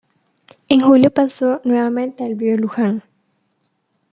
En julio pasó nuevamente al río Luján.